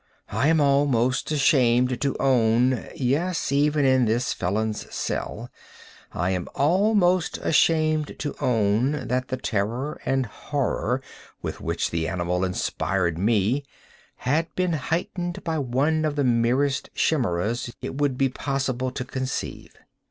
I am almost ashamed to own—yes, even in this felon's cell, I am almost ashamed to own—that the terror and horror with which the animal inspired me, had been heightened by one of the merest chimaeras it would be possible to conceive.